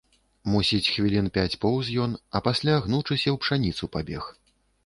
Мусіць, хвілін пяць поўз ён, а пасля, гнучыся ў пшаніцу, пабег.